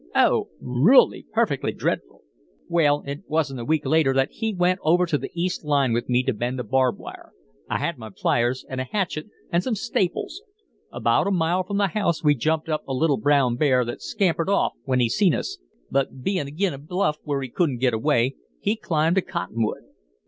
Oh! Rully, perfectly dreadful!' "Well, it wasn't a week later that he went over to the east line with me to mend a barb wire. I had my pliers and a hatchet and some staples. About a mile from the house we jumped up a little brown bear that scampered off when he seen us, but bein' agin' a bluff where he couldn't get away, he climbed a cotton wood.